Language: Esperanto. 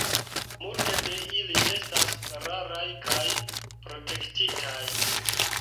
Multe de ili estas raraj kaj protektitaj.